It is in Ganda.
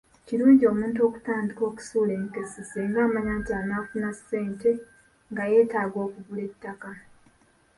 Kirungi omuntu okutandika okusuula enkessi singa amanya nti anaafuna ssente nga yeetaaga okugula ettaka.